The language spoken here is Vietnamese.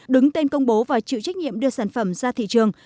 đứng tên công bố và chịu trách nhiệm đưa sản phẩm ra thị trường